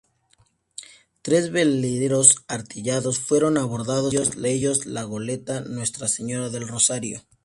Tres veleros artillados fueron abordados, entre ellos la goleta "Nuestra Señora del Rosario".